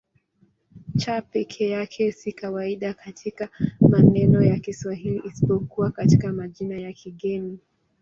C peke yake si kawaida katika maneno ya Kiswahili isipokuwa katika majina ya kigeni.